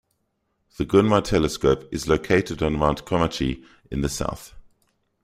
The Gunma Telescope is located on Mount Komochi in the south.